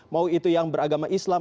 mau itu yang beragama islam